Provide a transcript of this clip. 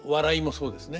そうですね。